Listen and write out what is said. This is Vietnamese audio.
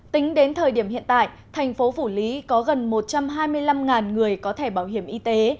tính đến thời điểm hiện tại thành phố phủ lý có gần một trăm hai mươi năm người có thẻ bảo hiểm y tế